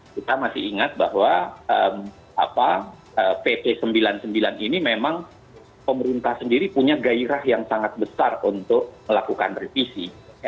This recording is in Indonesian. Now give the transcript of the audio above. kita masih ingat bahwa pp sembilan puluh sembilan ini memang pemerintah sendiri punya gairah yang sangat besar untuk melakukan revisi